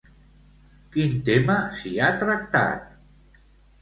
Quin tema s'hi ha tractat?